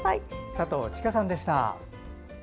佐藤千佳さんでした。